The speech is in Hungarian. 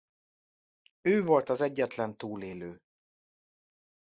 Ő volt az egyetlen túlélő.